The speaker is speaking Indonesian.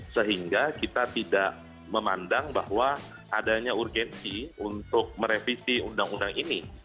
sehingga kita tidak memandang bahwa adanya urgensi untuk merevisi undang undang ini